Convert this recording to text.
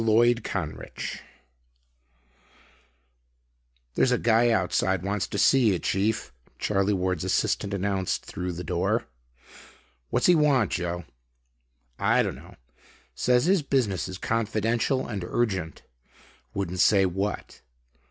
] "There's a guy outside wants to see you, Chief," Charlie Ward's assistant announced through the door. "What's he want, Joe?" "I don't know. Says his business is confidential and urgent. Wouldn't say what.